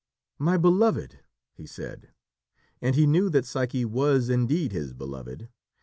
"My Belovèd!" he said, and he knew that Psyche was indeed his beloved.